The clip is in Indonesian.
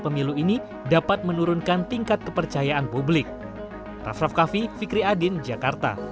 dan kemampuan para pemilu ini dapat menurunkan tingkat kepercayaan publik